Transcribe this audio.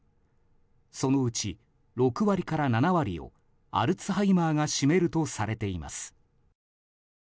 そのうち６割から７割をアルツハイマーが占めるとされています。